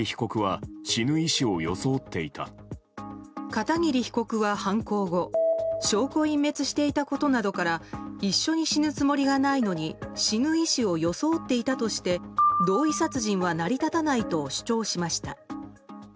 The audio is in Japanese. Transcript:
片桐被告は犯行後証拠隠滅していたことなどから一緒に死ぬつもりがないのに死ぬ意思を装っていたとして同意殺人は成り立たないと主張しました。